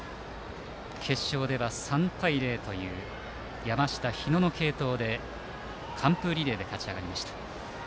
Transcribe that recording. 決勝では３対０という山下、日野の継投による完封リレーで勝ち上がりました。